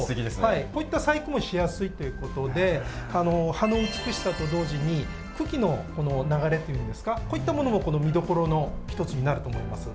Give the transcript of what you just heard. こういった細工もしやすいという事で葉の美しさと同時に茎の流れっていうんですかこういったものも見どころの一つになると思います。